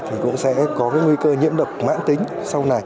thì cũng sẽ có cái nguy cơ nhiễm độc mãn tính sau này